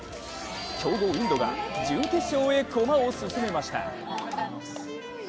強豪インドが準決勝へ駒を進めました。